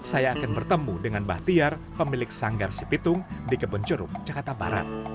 saya akan bertemu dengan bahtiar pemilik sanggar si pitung di kebun ceruk jakarta barat